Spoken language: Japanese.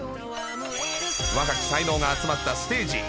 若き才能が集まったステージ。